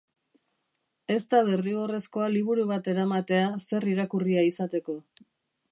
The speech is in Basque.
Ez da derrigorrezkoa liburu bat eramatea zer irakurria izateko.